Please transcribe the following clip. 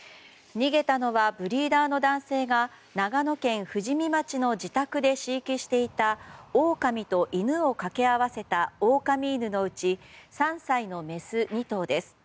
逃げたのは、ブリーダーの男性が長野県富士見町の自宅で飼育していたオオカミと犬を掛け合わせたオオカミ犬のうち３歳のメス２頭です。